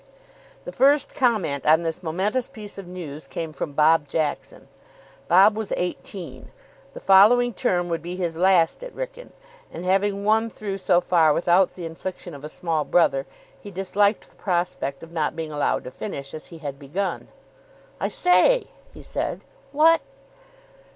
The first comment on this momentous piece of news came from Bob Jackson. Bob was eighteen. The following term would be his last at Wrykyn, and, having won through so far without the infliction of a small brother, he disliked the prospect of not being allowed to finish as he had begun. "I say!" he said. "What?"